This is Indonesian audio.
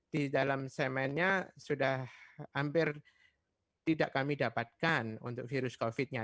di dalam semennya sudah hampir tidak kami dapatkan untuk virus covid nya